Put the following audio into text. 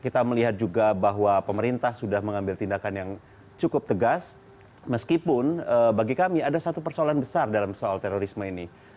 kita melihat juga bahwa pemerintah sudah mengambil tindakan yang cukup tegas meskipun bagi kami ada satu persoalan besar dalam soal terorisme ini